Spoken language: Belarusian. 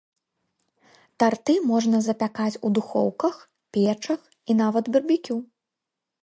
Тарты можна запякаць у духоўках, печах і нават барбекю.